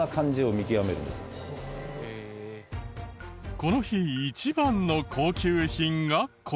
この日一番の高級品がこちら。